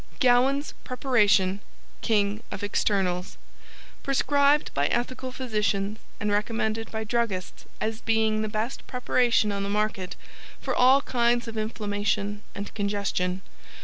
GOWANS PREPARATION King of Externals PRESCRIBED by ethical physicians and recommended by druggists as being the best preparation on the market for all kinds of Inflammation and Congestion.